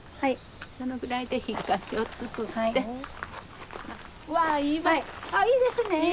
いいですね！